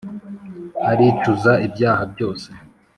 aricuza ibyaha byoseee ,